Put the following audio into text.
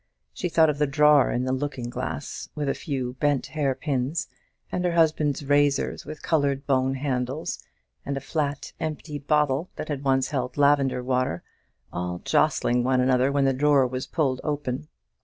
She thought of the drawer in the looking glass, with a few bent hair pins, and her husband's razors with coloured bone handles, and a flat empty bottle that had once held lavender water, all jostling one another when the drawer was pulled open.